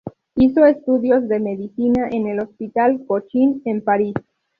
Hizo estudios de medicina en el Hospital Cochin, en París.